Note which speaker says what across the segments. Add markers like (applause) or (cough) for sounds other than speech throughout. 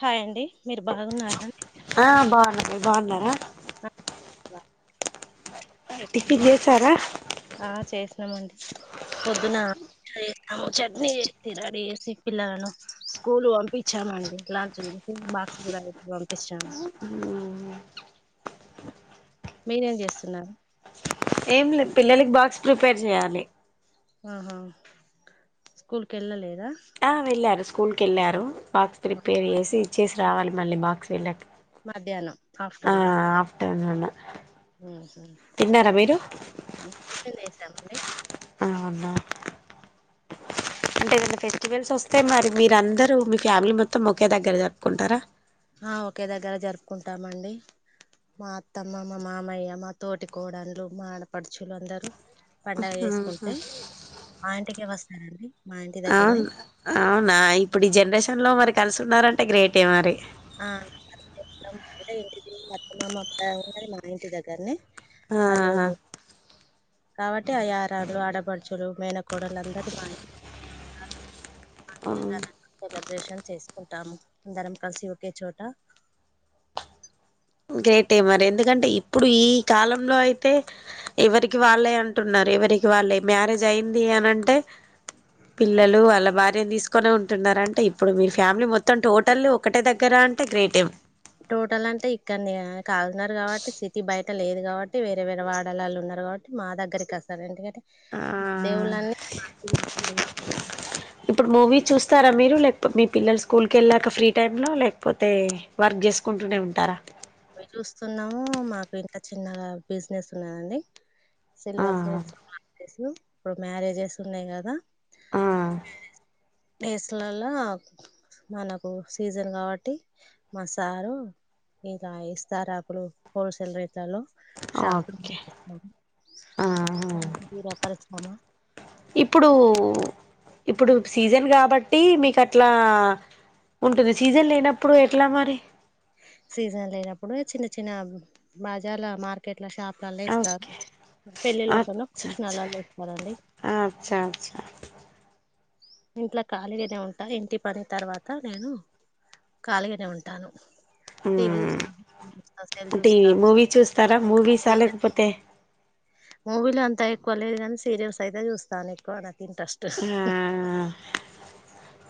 Speaker 1: Hi అండి మీరు బాగున్నారా
Speaker 2: మీర్ బాన్నారా
Speaker 1: బ
Speaker 2: టిఫిన్ చేశారా
Speaker 1: ఆ చేసినామండి పొద్దున అము చట్నీ చేసి రెడీ చేసి పిల్లలను స్కూలు పంపించామండి లాంచ్ తీసి బాక్స్ కూడా పెట్టి పంపించాము
Speaker 2: మ్మ్
Speaker 1: మీరేం చేస్తున్నారు
Speaker 2: ఏం లేదు పిల్లలకి బాక్స్ ప్రిపేర్ చేయాలి
Speaker 1: ఆహా స్కూల్కి వెళ్ళలేదా
Speaker 2: ఆ వెళ్ళారు స్కూల్కి వెళ్ళారు బాక్స్ ప్రీపేర్ చేసి ఇచ్చేసి రావాలి మళ్ళీ బాక్స్ వెళ్ళక
Speaker 1: మధ్యాహ్నం ఆఫ్టర్నూన్
Speaker 2: (unintelligible) తిన్నారా మీరు
Speaker 1: టిఫిన్ చేశామండి
Speaker 2: అవున అంటే ఏదనా ఫెస్టివల్స్ వస్తే మరి మీరందరు మీ ఫ్యామిలీ మొత్తం ఒకే దగ్గర జరుపుకుంటారా
Speaker 1: హా ఒకే దగ్గర జరుపుకుంటామండి మా అత్తమ్మ మా మామయ్య మా తోటి కోడళ్లు మా ఆడపడుచులు అందరూ
Speaker 2: మ్మ్
Speaker 1: పండగ
Speaker 2: హు
Speaker 1: చేసుకుంటే మా ఇంటికే వస్తారండి మా ఇంటి దగ్గరనే
Speaker 2: అవు అవునా ఇప్పుడు ఈ జనరేషన్ లో మరి కలిసున్నారంటే గ్రేట్ ఏ మరి
Speaker 1: ఆ అత్తమామ ఉండేది మన ఇంటి దగ్గరని
Speaker 2: ఆ హహ్
Speaker 1: కాబట్టి ఆ ఆరాలు ఆడబడుచులు మేనకోడలు అందరు మాయ
Speaker 2: ఆ
Speaker 1: సెలబ్రేషన్ చేసుకుంటాము అందరం కలిసి ఒకే చోట
Speaker 2: గ్రేటే మరి ఎందుకంటే ఇప్పుడు ఈ కాలంలో అయితే ఎవరికి వాళ్ళే అంటున్నారు ఎవరి రికి వాళ్లే మ్యారేజ్ అయింది అని అంటే పిల్లలు వాళ్ళ భార్యని తీసుకునే ఉంటున్నారంటే ఇప్పుడు మీరు ఫ్యామిలీ మొత్తం టోటల్ ఒకటే దగ్గర అంటే గ్రేటే
Speaker 1: టోటల్ అంటే ఇక్కడ్నె కాగుతున్నారు కాబట్టి సిటీ బయట లేదు కాబట్టి వేరే వేరే వాడాలాల ఉన్నారు కాబట్టి మా దగ్గరికి వస్తారు ఎందుకంటే
Speaker 2: ఆ
Speaker 1: దవులాన్ (unintelligible)
Speaker 2: ఇప్పుడు మూవీస్ చూస్తార మీరు లేకపోతే మీ పిల్లలు స్కూల్కి వెళ్ళాక ఫ్రీ టైమ్ లో లేకపోతే వర్క్ చేసుకుం టూనే ఉంటార
Speaker 1: (unintelligible) చూస్తున్నాము మాకు ఇంకా చిన్నగా బిజినెస్ ఉన్నదండి సిల్వర్ ప్లేట్స్ (unintelligible) ఇప్పుడు మ్యారేజెస్ ఉన్నాయి కదా
Speaker 2: ఆ
Speaker 1: వేసులలో మనకు సీజన్ కాబట్టి మ సారు ఇస్తారాకులు హోల్సేల్ రే
Speaker 2: ఆ ఓకే ఆ
Speaker 1: (unintelligible)
Speaker 2: ఇప్పుడు ఇప్పుడు సీజన్ కాబట్టి మీకు అట్లా ఉంటుంది సీజన్ లేనప్పుడు ఎట్లా మరి
Speaker 1: సీజన్ లేనప్పుడు చిన్న చిన్న బజార్ల మార్కెట్ల షాప్లలో ఇస్తారు
Speaker 2: ఓకే అచ్చ అచ్చ
Speaker 1: (unintelligible) ఇస్తారండి
Speaker 2: అచ్చ అచ్చ
Speaker 1: ఇంట్లో ఖాళీగానే ఉంట ఇంటి పని తర్వాత నేను కాలిగానే ఉంటాను టీవీ చూస్తాను సెల్
Speaker 2: టీవీ
Speaker 1: చూస్తా
Speaker 2: మూవీ చూస్తార మూవీస
Speaker 1: సీరియల్
Speaker 2: లేకపోతే
Speaker 1: మూవీలు అంత ఎక్కువ లేదు కానీ సీరియల్స్ అయితే చూస్తాను ఎక్కువ నాకు ఇంట్రెస్ట్
Speaker 2: ఆ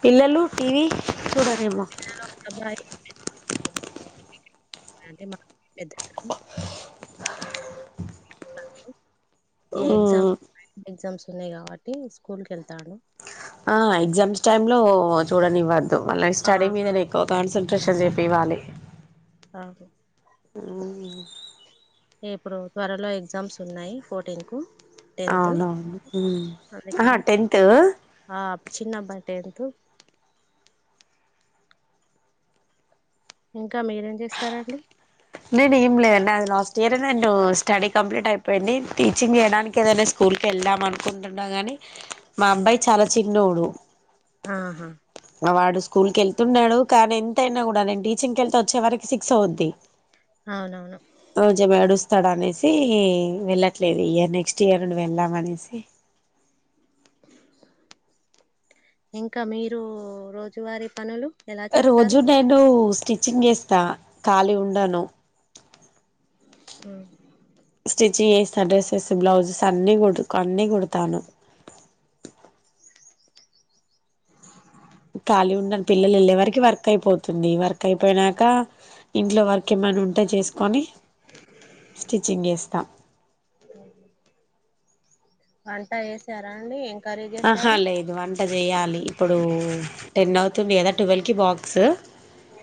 Speaker 2: పిల్లలు టీవీ చూడరేమో
Speaker 1: పిల్లలు ఒక అబ్బాయి అంటే మా పెద్ద ఏ ఎగ్జామ్
Speaker 2: ఆ
Speaker 1: ఎగ్జామ్స్ ఉన్నాయి కాబట్టి స్కూల్కి (unintelligible)
Speaker 2: ఆ ఎగ్జామ్స్ టైమ్ లో చూడనివ (unintelligible) వళ్ళా నీ
Speaker 1: ఆ
Speaker 2: స్టడీ మీదనే ఎక్కువ కాన్సన్ంట్రేషన్ చెపి వాలి
Speaker 1: అ ఇప్పుడు త్వరలో ఎగ్జామ్స్ ఉన్నాయి ఫోర్టీన్ కు టెన్త్
Speaker 2: అవునవును ఆ
Speaker 1: అందుకని
Speaker 2: టెంతు
Speaker 1: తు ఇంకా మీరేం చేస్తారండి
Speaker 2: నేను ఏం లేదండి నాది లాస్ట్ ఇయర్ నేను స్టడీ కంప్లీట్ అయిపోయిడి టీచింగ్ చేయడానికి ఏదన స్కూల్కి వెళ్దాం అనుకుంటున్నా గాని మా అబ్బాయి చాల చిన్నోడు
Speaker 1: ఆహా
Speaker 2: వాడు స్కూల్ కి వెళ్తున్నాడు కానీ ఎంతయినా కూడ నేను టీచింగ్ వెళ్తే వచ్చే వరకి సిక్స్ అవద్ది
Speaker 1: అవునవును
Speaker 2: (unintelligible) అనేసి వెళ్ళట్లేదు ఇయర్ నెక్స్ట్ ఇయర్ నుండి వెళ్దాం అనేసి
Speaker 1: ఇంకా మీరు రోజువారీ పనులు ఎలా చేస్తారు
Speaker 2: రోజు నేను స్టిచ్చింగ్ చేస్త ఖళీ ఉండను
Speaker 1: ఆ
Speaker 2: స్టిచ్చింగ్ చేస్తా డెస్సెస్ బ్లౌజెస్ అన్నీ కన్నీ కూడతాను ఖాళీ ఉండను పిల్లలు వెళ్ళే వరకి వర్క్ అయిపోతుంది వర్క్ అయిపోయినాక ఇంట్లో వర్క్ ఏమైన ఉంటే చేసుకొని స్టిచ్చింగ్ చేస్త
Speaker 1: వంట చేశార అండి కర్రీ
Speaker 2: ఆహా
Speaker 1: చేసారు
Speaker 2: లేదు వంట చేయాలి ఇప్పుడు టెన్ అవుతుంది కద టువల్కి బాక్స్
Speaker 1: ఉ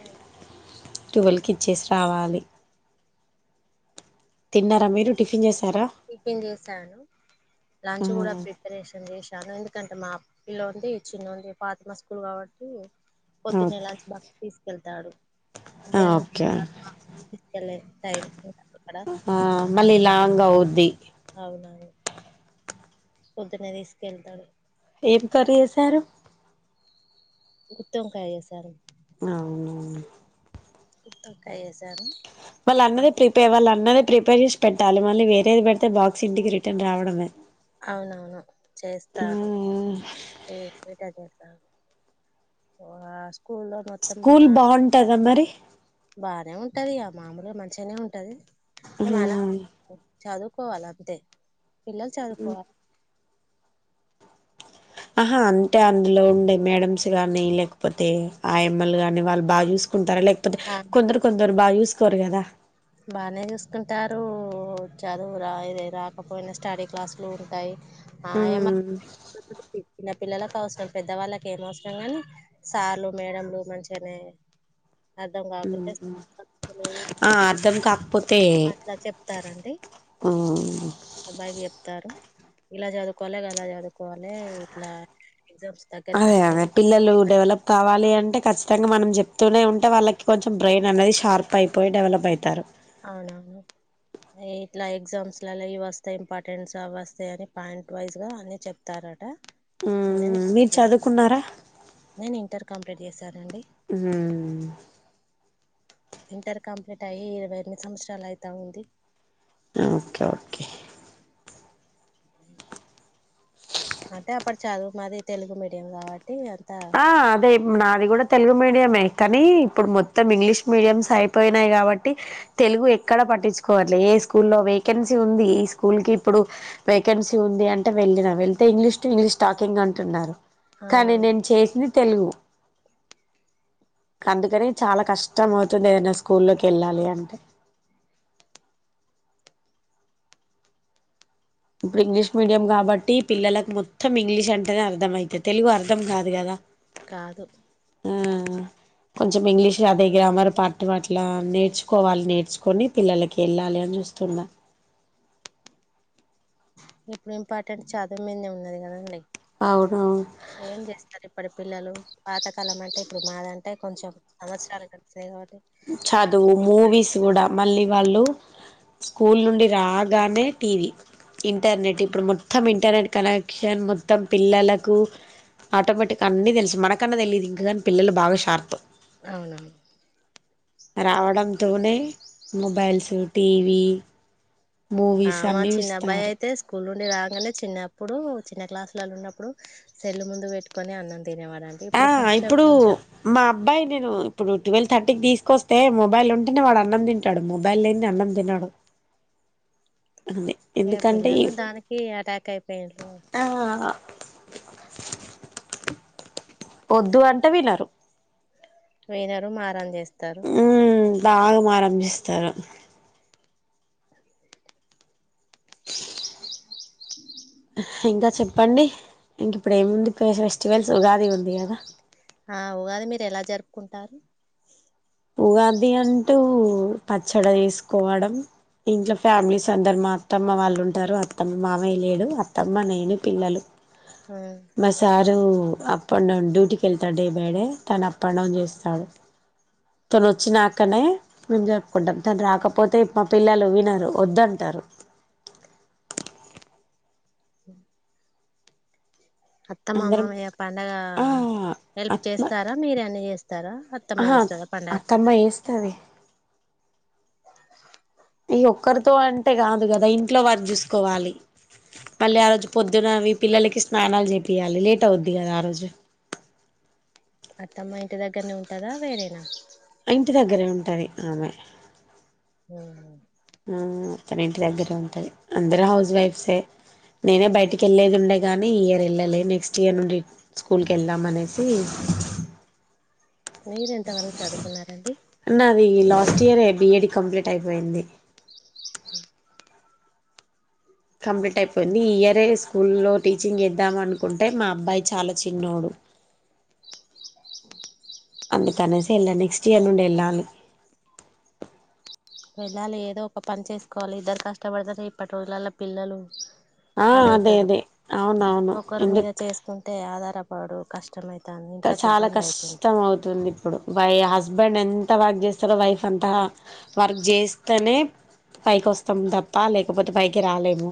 Speaker 2: టువెల్ కి ఇచ్చేసి రావాలి తిన్నారా మీరు టిఫిన్ చేస్
Speaker 1: కుకింగ్ చేశాను లంచ్ కూడ ప్రిపరేషన్ చేశాను ఎందు ఎకంటే మా పిల్లోన్ది చిన్నోన్ది ఉంది పాతి మా స్కూల్ కాబట్టి పొద్దున్నే
Speaker 2: ఓకే
Speaker 1: లంచ్ బాక్స్ తీసుకెళ్తాడు. మధ్యానం
Speaker 2: ఓకే
Speaker 1: లంచ్ బాక్స్ తీసుకెళ్లలేదు (unintelligible) టైం
Speaker 2: మళ్ళీ లాంగ్ అవుద్ది.
Speaker 1: అవునా పొద్దున్న తీసుకు వెళ్తాడు.
Speaker 2: ఏం కర్రీ చేసారు?
Speaker 1: గుత్తొంకాయ చేసారు
Speaker 2: అవునవును
Speaker 1: గుత్తొంకాయ చేసాను
Speaker 2: వాళ్ళ అన్నద ప్రీపే వాళ్ళ అన్న ప్రిపేర్చేస్ పెట్టాలి మళ్ళీ వేరేది పెడితే బాక్స్ ఇంటికి రిటర్న్ రావడమే
Speaker 1: అవునవును చేస్తారు ఏ (unintelligible) ఒ ఆ స్కూల్లో మొత్తం
Speaker 2: స్కూల్
Speaker 1: బా
Speaker 2: బాగుంటదా మరి
Speaker 1: బానే ఉంటది, ఇగ మామూలే మంచిగానే ఉంటది. ఇగ మనం చదువుకోవాల అంతే పిల్ల
Speaker 2: ఉ ఆహా అంటే అందులో ఉండే మేడమ్స్ గాని లేకపోతే ఆయమ్మలు గాని వాళ్ళు బాగా చూస్ కుంటారా లేకపోతే
Speaker 1: ఆ
Speaker 2: కొందరు కొందరు బాగా చూసుకోరు కదా?
Speaker 1: బానే చూసుకుంటారు చదువు రా ఇది రాకపోయినా స్టడీ క్లాసులు ఉంటాయి. ఆ ఏమ
Speaker 2: ఉమ్
Speaker 1: చిన్న పిల్లలకు అవసరం పెద్ద వాళ్ళకి ఏం అవసరం గాని సార్లు మేడంలు మంచిగానే అర్దం కాకుంటే (unintelligible)
Speaker 2: ఆ అర్ధం కాకపో
Speaker 1: అట్లా చెప్తారండి,
Speaker 2: ఉమ్
Speaker 1: అబ్బాయికి చెప్తారు. ఇలా చదువుకోవాలి కదా చదువుకోవాలి ఇట్లా ఎగ్జామ్స్ దగ్గరకి
Speaker 2: అదే అదే
Speaker 1: వస్తున్నాయి
Speaker 2: పిల్లలు
Speaker 1: మరి
Speaker 2: డెవలప్ కావాలి అంటే ఖచ్చితం చ్చితంగా మనం చెప్తూనే ఉంటే వాళ్ళకి కొంచెం బ్రెయిన్ అనేది షార్ప్ అయిపోయి డెవలప్ అయితారు.
Speaker 1: అవునవును. ఇట్లా ఎగ్జామ్స్ లలో ఇవి వస్తాయి ఇంపార్టెన్ట్స్ అవొస్తాయి అని పాయింట్ వైజ్ గా అన్ని చెప్తారు. మాట
Speaker 2: మీర్ చదువుకున్నారా?
Speaker 1: కట్చేస్సానండి.
Speaker 2: ఉమ్
Speaker 1: ఇంటర్ కంప్లీట్ అయ్యి ఇరవై ఎనిమిది సంవత్సరాలు అయితా ఉంది.
Speaker 2: ఓకే ఓకే
Speaker 1: అంటే అప్పుడు చదువు మాది తెలుగు మీడియం కాబట్
Speaker 2: ఆ అదే ఇబ్ నాది కూడా తెలుగు మీడియమే. కానీ ఇప్పుడు మొత్తం ఇంగ్లీష్ మీడియంస్ అయిపోయినాయి కాబట్టి తెలుగు ఎక్కడ పట్టించుకోవట్లే ఏ ఈ స్కూల్లో వేకెన్సీ ఉంది ఈ స్కూల్కి ఇప్పుడు వేకెన్సీ ఉంది అంటే వెళ్ళిన వెళ్తే ఇంగ్లీష్ టు గ్లీష్ స్టాకింగ్ అంటున్నారు. కానీ
Speaker 1: అవునవును.
Speaker 2: నేను చేసింది తెలుగు అందుకని చాలా కష్టం అవుతుంది. ఏదైనా స్కూల్లోకి వెళ్ళాలి అంటే ఇప్పుడు ఇంగ్లీష్ మీడియం కాబట్టి పిల్లలకు మొత్తం ఇంగ్లీష్ అంటేనే అర్థం అయితది తెలుగు అర్ధం కాదు కదా!
Speaker 1: కాదు.
Speaker 2: మ్ కొంచెం ఇంగ్లీష్ అదే గ్రామర్ పార్టు అట్ల నేర్చుకోవాలి నేర్చుకొని పిల్లలకి వెళ్ళాలి అ ని చూస్తున్నా.
Speaker 1: ఇప్పుడు ఇంపార్టెంట్ చదువు మీదనే ఉంది కదండీ
Speaker 2: అవునవును
Speaker 1: ఏం చేస్తాలే ఇప్పుడు పిల్లలు పాతకాలం అంటే ఇప్పుడు మాదంటే కొంచెం సంవత్సరాలు క
Speaker 2: చదువు మూవీస్ కూడా మళ్ళీ వాళ్ళు స్కూల్ నుండి రాగానే టీవీ ఇంటర్నెట్ ఇప్పుడు మొత్తం ఇంటర్నెట్ కనెక్షన్ మొత్తం పిల్లలకు ఆటోమేటిక్గా అన్నీ తెలుసు మనకన్నా తెలియదు ఇంకకానీ పిల్లలు బాగా షార్త్
Speaker 1: అవునవును
Speaker 2: రావడంతోనే మొబైల్స్ టీవీ మూవీస్ అన్ని ఇస్తారు
Speaker 1: నుడి రాగానే చిన్నప్పుడు చిన్న క్లాసులలో ఉన్నప్పుడు సెల్ ముందు పెట్టుకుొని అన్నం తినేవాడండి
Speaker 2: ఆ
Speaker 1: ఇప్పుడు కొంచెం
Speaker 2: ఇప్పుడు
Speaker 1: కొంచెం
Speaker 2: మా అబ్బాయి నేను ఇప్పుడు ట్వెల్వ్ థర్టీకి తీసుకొస్తే మొబైల్ ఉంటేనే వాడు అన్నం తింటాడు మొబైల్ లేది అన్నం తిన్నాడు
Speaker 1: ఏ పిల్లలు దానికి అటాక్ అయిపోయిారు
Speaker 2: ఆ వద్దు అంటే వినరు
Speaker 1: వినరు మారం చేస్తారు
Speaker 2: హ్మ్. బాగా మారం చేస్తారు ఇంకా చెప్పండి ఇంక ఇప్పుడు ఏముందు ఫెస్టివల్స్ ఉగాది ఉంది కదా
Speaker 1: ఆ ఉగాది మీరు ఎలా జరుపుకుంటారు
Speaker 2: ఉగాది అంటూ పచ్చడా చేసుకోవడం ఇంట్లో ఫ్యామిలీస్ అందరు మా అత్తమ్మ వాళ్ళు ఉంటారు అత్తమ్మ మామయ్య లేడు అత్తమ్మ నేను పిల్లలు
Speaker 1: ఆ
Speaker 2: మా సారు అప్ అండ్ డౌన్ డ్యూటీకి వెళ్తాడు డే బై డే తను అప్ అండ్ డౌన్ చేస్తాడు తను వచ్చినాకనే మేము జరుపుకుంటాం తను రాకపోతే మా పిల్లలు వినారు వద్దంటారు
Speaker 1: ఉ
Speaker 2: అందరం
Speaker 1: అత్తమామమయ పండగ
Speaker 2: ఆ
Speaker 1: హెల్ప్
Speaker 2: అత్మ
Speaker 1: చేస్తారా మీరే అన్న చేస్తారా అత్తమ్మ చేస్తారా పండగ
Speaker 2: ది ఈ ఒక్కరితో అంటే కాదు కదా ఇంట్లో వర్క్ చూసుకోవాలి మళ్ళీ ఆ రోజు పొద్దునవి పిల్లలకి స్నానాలు చేపియాలి లేట్ అవుద్ది కదా ఆ రోజు
Speaker 1: అత్తమ్మ ఇంటి దగ్గరనే ఉంటదా వేరేనా
Speaker 2: ఇంటి దగ్గరే ఉంటది ఆమె
Speaker 1: హ
Speaker 2: ఆ తాను ఇంటి దగ్గరే ఉంటది అందరు హౌస్ వైఫ్సే నేనే బయటికి వెళ్ళేది ఉండే కానీ ఈ ఇయర్ వెళ్ళలే నెక్స్ట్ ఇయర్ నుండి స్కూల్కి వెళ్దామనేసి
Speaker 1: మీరు ఎంతవరకు చదువుకున్నారండి
Speaker 2: నాది last year D E D complete అయిపోయింది
Speaker 1: స
Speaker 2: కంప్లీట్ అయిపోయింది ఈ ఇయర్ స్కూల్లో టీచింగ్ చేదాం అనుకుంటే మా అబ్బాయి చాలా చిన్నోడు అందుకనేసి వెళ్ళాలే నెక్స్ట్ ఇయర్ నుండి వెళ్ళాలి
Speaker 1: వెళ్ళాలి ఏదో ఒక పని చేసుకోవాలి ఇద్దరు కష్టపడతారు ఇప్పటి రోజులలో పిల్లలు
Speaker 2: ఆ అదే
Speaker 1: అదవుతారు
Speaker 2: అదే అవునవును
Speaker 1: ఒకరు మీద
Speaker 2: ఎందుకు
Speaker 1: చేసుకుంటే ఆధారపడు కష్ట
Speaker 2: చాలా కష్టం అవుతుంది ఇప్పుడు బా హస్బెండ్ ఎంత ఎంత వర్క్ చేస్తారో వైఫ్ అంత వర్క్ చేస్తేనే పైకి వస్తాము తప్ప లేకపోతే పైకి రాలేము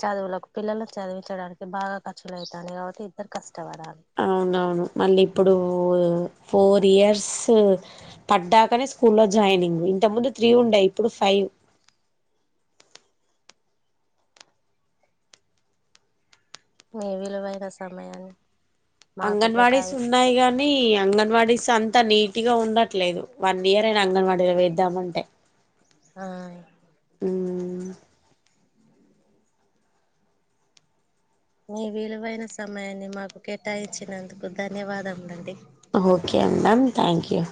Speaker 1: చదువులకు పిల్లలను చదివించడానికి బాగా ఖర్చులు అయితున్నాయి కాబట్టి ఇద్దరు కష్ట. కవరా.
Speaker 2: అవునవును మళ్ళీ ఇప్పుడు ఫోర్ ఇయర్స్ పడ్డాకనే స్కూల్లో జాయినింగ్. ఇంతకు ముందు త్రీ ఉండే ఇప్పుడు ఫైవ్.
Speaker 1: మీ విలువైన సమయాన్ని. మాకు
Speaker 2: అంగన్వాడీస్
Speaker 1: కేటాయి
Speaker 2: ఉన్నాయి గానీ అంగన్వాడీస్. అంతా నీట్గా ఉండట్లేదు వన్ ఇయర్ అయిన అంగన్వాడీలో వేద్దామంటే.
Speaker 1: ఆహ్.
Speaker 2: ఉమ్.
Speaker 1: మీ విలువైన సమయాన్ని మాకు కేటాయించినందుకు ధన్యవాదాలు అండి.
Speaker 2: Okay ma'am thank you.